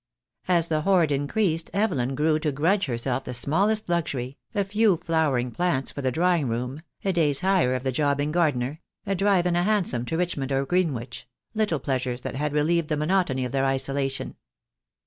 As the hoard increased Evelyn grew to grudge herself the smallest luxury, a few flowering plants for the drawing 24O THE DAY WILL COME. room, a day's hire of the jobbing gardener, a drive in a hansom to Richmond or Greenwich, little pleasures that had relieved the monotony of their isolation.